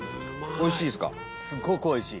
おいしい！